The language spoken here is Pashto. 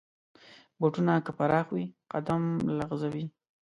بوټونه که پراخ وي، قدم لغزوي.